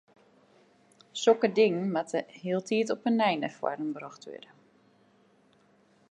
Sokke dingen moatte hieltyd op 'e nij nei foaren brocht wurde.